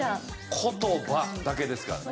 「言葉」だけですからね。